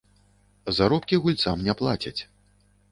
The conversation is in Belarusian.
Заробкі гульцам не плацяць.